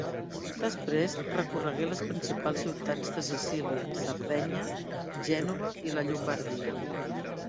Després recorregué les principals ciutats de Sicília, Sardenya, Gènova i la Llombardia.